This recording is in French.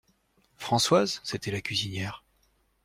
Françoise, c'était la cuisinière.